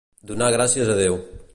Donar gràcies a Déu.